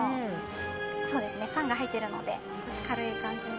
パンが入っているので軽い感じに。